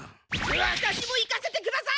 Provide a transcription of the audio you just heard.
ワタシも行かせてください！